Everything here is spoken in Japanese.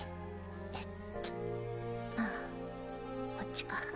えっとあこっちか。